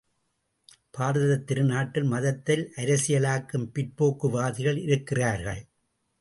பாரதத் திருநாட்டில் மதத்தை அரசியல் ஆக்கும் பிற்போக்குவாதிகள் இருக்கிறார்கள்.